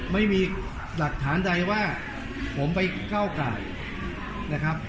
ไม่มีหลักฐานใดว่าผมไปก้าวไก่นะครับ